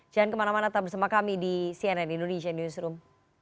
jangan kemana mana tetap bersama kami di cnn indonesia newsroom